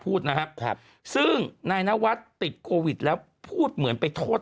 พูดนะครับครับซึ่งนายนวัฒน์ติดโควิดแล้วพูดเหมือนไปโทษ